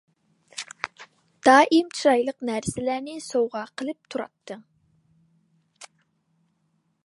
دائىم چىرايلىق نەرسىلەرنى سوۋغا قىلىپ تۇراتتىڭ.